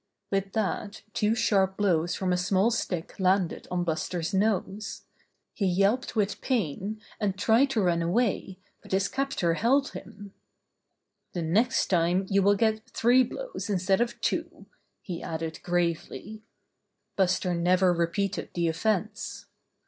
With that two sharp blows from a small stick landed on Buster's nose. He yelped with pain, and tried to run away, but his cap tor held him. "The next time you will get three blows instead of two," he added gravely. Buster never repeated the offence.